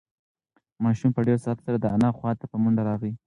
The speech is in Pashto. ماشوم په ډېر سرعت سره د انا خواته په منډه راغی.